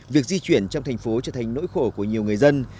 việc di chuyển trong thành phố trở thành nỗi khổ của nhiều người dân